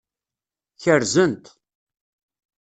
Kerzen-t.